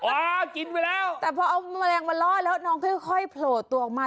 อ่ากินไปแล้วแต่พอเอาแมลงมาล่อแล้วน้องค่อยโผล่ตัวออกมา